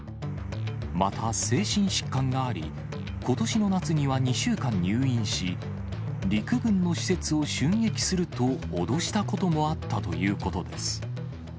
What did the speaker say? また、精神疾患があり、ことしの夏には２週間入院し、陸軍の施設を襲撃すると脅したこともあったということです。